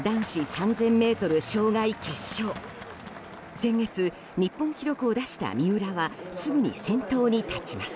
先月、日本記録を出した三浦はすぐに先頭に立ちます。